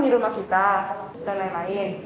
di rumah kita dan lain lain